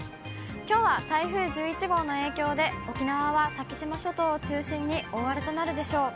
きょうは台風１１号の影響で、沖縄は先島諸島を中心に大荒れとなるでしょう。